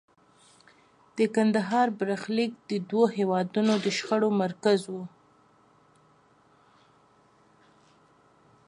د کندهار برخلیک د دوو هېوادونو د شخړو مرکز و.